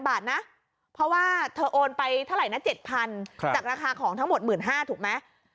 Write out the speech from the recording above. บาทนะเพราะว่าเธอโอนไปเท่าไหร่นะ๗๐๐จากราคาของทั้งหมด๑๕๐๐ถูกไหม